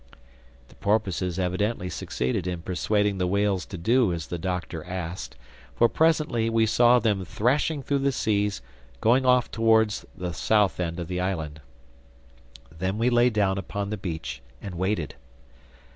The porpoises evidently succeeded in persuading the whales to do as the Doctor asked; for presently we saw them thrashing through the seas, going off towards the south end of the island. Then we lay down upon the beach and waited.